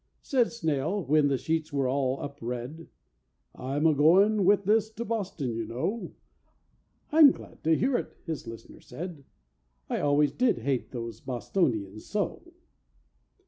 Said Snayle, when the sheets were all up read, "I'm a going with this to Boston, you know"— "I'm glad to hear it," his listener said: "I always did hate those Bostonians so!"